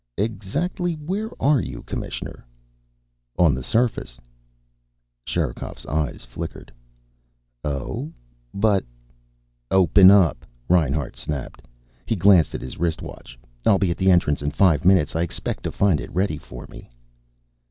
"Exactly where are you, Commissioner?" "On the surface." Sherikov's eyes flickered. "Oh? But " "Open up!" Reinhart snapped. He glanced at his wristwatch. "I'll be at the entrance in five minutes. I expect to find it ready for me."